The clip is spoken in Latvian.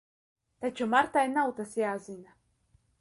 Taču Martai nav tas jāzina.